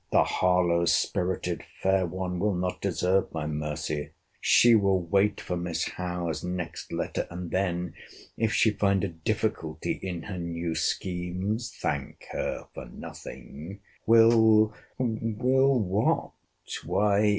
—The Harlowe spirited fair one will not deserve my mercy!—She will wait for Miss Howe's next letter; and then, if she find a difficulty in her new schemes, [Thank her for nothing,]—will—will what?